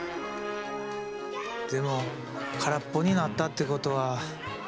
でも空っぽになったってことは。